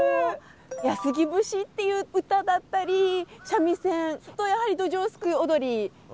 「安来節」っていう歌だったり三味線とやはりどじょうすくい踊りがございまして。